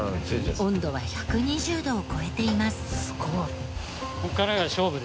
温度は１２０度を超えています。